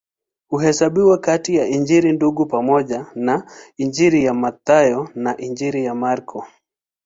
Huhesabiwa kati ya Injili Ndugu pamoja na Injili ya Mathayo na Injili ya Marko.